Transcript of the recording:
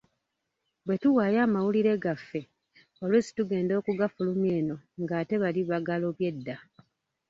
Bwe tuwaayo amawulire gaffe, oluusi tugenda okugafulumya eno ng’ate bali bagalobye dda.